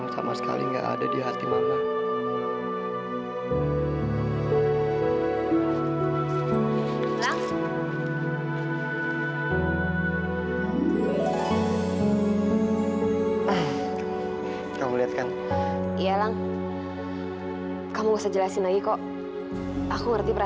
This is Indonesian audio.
sampai jumpa di video selanjutnya